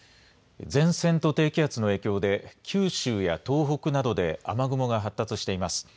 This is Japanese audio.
前線と低気圧の影響で九州や東北などで雨雲が発達しています。